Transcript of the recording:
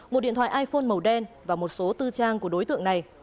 một điện thoại iphone màu đen và một số tư trang của đối tượng này